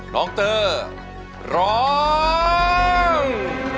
น้องเตอร์ร้อง